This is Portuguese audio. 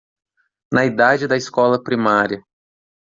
Na idade da escola primária